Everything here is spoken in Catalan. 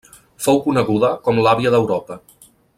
Fou coneguda com l'àvia d'Europa.